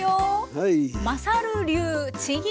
はい。